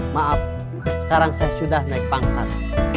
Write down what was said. maaf sekarang saya sudah naik pangkat